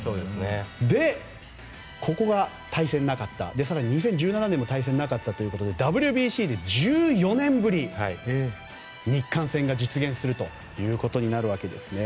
で、ここが対戦がなかった更に２０１７年も対戦がなかったということでＷＢＣで１４年ぶり日韓戦が実現するということになるわけですね。